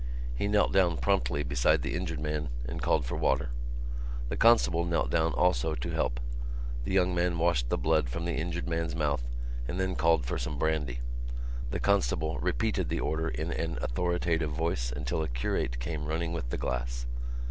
He knelt down promptly beside the injured man and called for water. The constable knelt down also to help. The young man washed the blood from the injured man's mouth and then called for some brandy. The constable repeated the order in an authoritative voice until a curate came running with the glass.